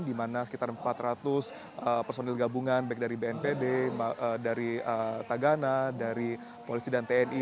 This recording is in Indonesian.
di mana sekitar empat ratus personil gabungan baik dari bnpb dari tagana dari polisi dan tni